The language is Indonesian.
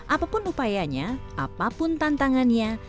apapun upayanya apapun tantangannya